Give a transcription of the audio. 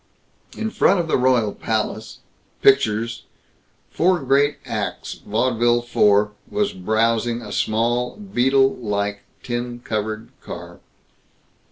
In front of the Royal Palace, Pictures, 4 Great Acts Vaudeville 4, was browsing a small, beetle like, tin covered car.